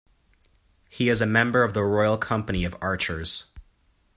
He is a member of the Royal Company of Archers.